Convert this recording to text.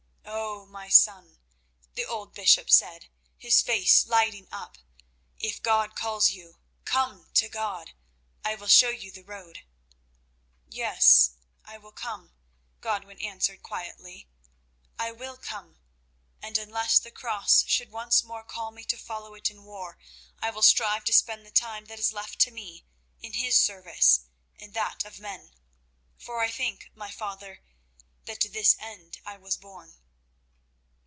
"Oh! my son," the old bishop said, his face lighting up, "if God calls you, come to God. I will show you the road." "Yes, I will come," Godwin answered quietly. "I will come, and, unless the Cross should once more call me to follow it in war, I will strive to spend the time that is left to me in His service and that of men. For I think, my father, that to this end I was born."